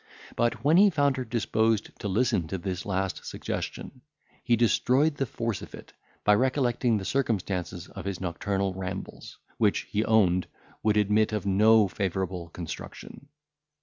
But, when he found her disposed to listen to this last suggestion, he destroyed the force of it, by recollecting the circumstances of his nocturnal rambles, which, he owned, would admit of no favourable construction.